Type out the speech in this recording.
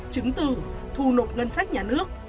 chứng từ thu nộp ngân sách nhà nước